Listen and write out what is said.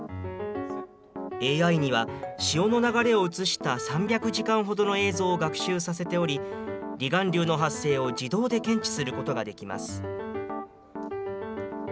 ＡＩには、潮の流れを映した３００時間ほどの映像を学習させており、離岸流の発生を自動で検知することができます。